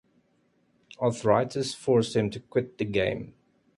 Arthritis forced him to quit the game.